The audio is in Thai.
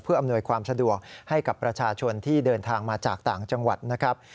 อำนวยความสะดวกให้กับประชาชนที่เดินทางมาจากต่างจังหวัดนะครับ